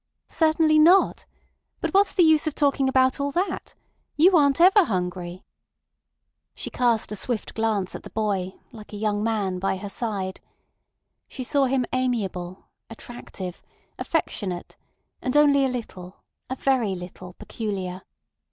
"Certainly not. But what's the use of talking about all that? You aren't ever hungry." She cast a swift glance at the boy, like a young man, by her side. She saw him amiable, attractive, affectionate, and only a little, a very little, peculiar.